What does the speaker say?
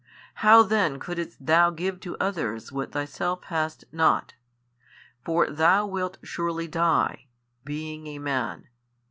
how then couldest Thou give to others what Thyself hast not? for Thou wilt surely die, being a Man.